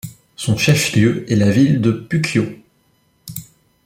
Son chef-lieu est la ville de Puquio.